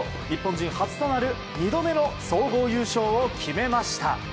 日本人初となる２度目の総合優勝を決めました。